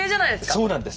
そうなんです。